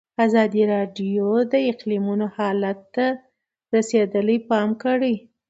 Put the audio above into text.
ازادي راډیو د اقلیتونه حالت ته رسېدلي پام کړی.